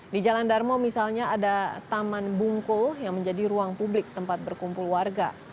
di jalan darmo misalnya ada taman bungkul yang menjadi ruang publik tempat berkumpul warga